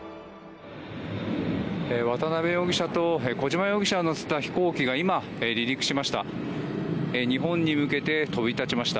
渡邉容疑者と小島容疑者を乗せた飛行機が今、離陸しました。